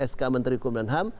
sk menteri hukum dan ham